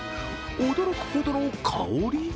驚くほどの香り？